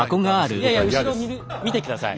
いやいや後ろ見て下さい。